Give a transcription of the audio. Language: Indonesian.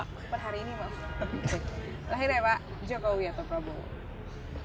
perhari ini mama lahir ya pak jokowi atau prabowo